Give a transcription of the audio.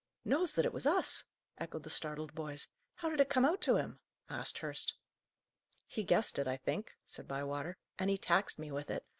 "Knows that it was us!" echoed the startled boys. "How did it come out to him?" asked Hurst. "He guessed it, I think," said Bywater, "and he taxed me with it.